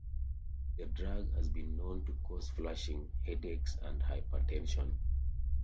The drug has been known to cause flushing, headaches and hypotension.